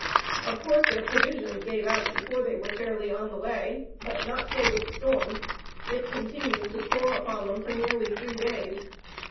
Of course, their provisions gave out before they were fairly on the way, but not so with the storm. It continued to pour upon them for nearly three days.